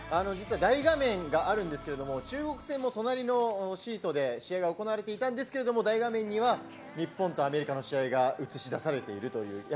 実は大画面があるんですけど、中国戦も隣のシートで試合が行われていたんですけど、大画面には日本とアメリカの試合が映し出されているという。